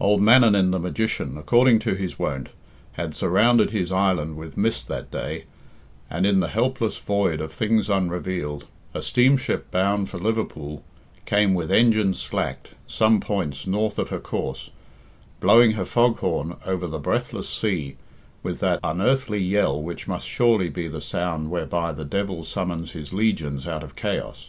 Old Mannanin, the magician, according to his wont, had surrounded his island with mist that day, and, in the helpless void of things unrevealed, a steamship bound for Liverpool came with engines slacked some points north of her course, blowing her fog horn over the breathless sea with that unearthly yell which must surely be the sound whereby the devil summons his legions out of chaos.